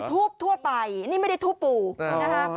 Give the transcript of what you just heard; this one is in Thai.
เป็นภูมิทั่วไปนี่ไม่ได้ภูมิภูมิ